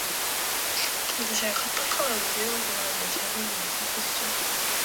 무심히 내친 이 말이 그의 가슴폭을 선뜻 찔러 주는 듯하였다.